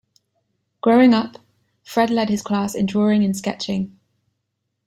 Growing up, Fred led his class in drawing and sketching.